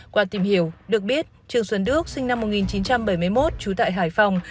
qua tìm hiểu được biết trương xuân đức sinh năm một nghìn chín trăm bảy mươi một trú tại hải phòng